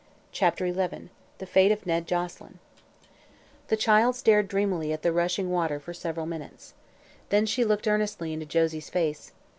CHAPTER XI THE FATE OF NED JOSELYN The child stared dreamily at the rushing water for several minutes. Then she looked earnestly into Josie's face.